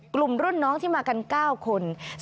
กลุ่มรุ่นน้องที่มากัน๙คน